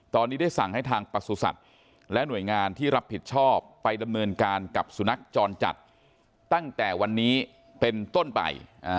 ตอนนี้ได้สั่งให้ทางประสุทธิ์และหน่วยงานที่รับผิดชอบไปดำเนินการกับสุนัขจรจัดตั้งแต่วันนี้เป็นต้นไป